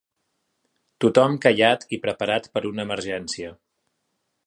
Tothom callat i preparat per una emergència.